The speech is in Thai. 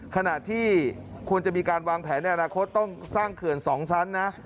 ขณะที่ควรจะมีการวางแผนในอนาคตต้องสร้างเขื่อน๒ชั้นนะ